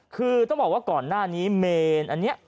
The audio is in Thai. คือต้องบอกว่าก่อนหน้านี้เมนอันนี้